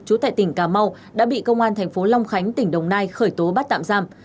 chú tại tỉnh cà mau đã bị công an tp long khánh tỉnh đồng nai khởi tố bắt tạm giam